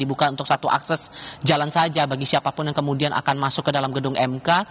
bukan untuk satu akses jalan saja bagi siapapun yang kemudian akan masuk ke dalam gedung mk